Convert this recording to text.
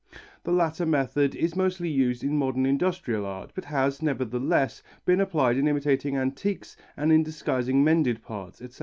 The latter method is mostly used in modern industrial art, but has, nevertheless, been applied in imitating antiques and in disguising mended parts, etc.